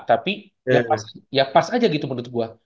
tapi ya pas aja gitu menurut gue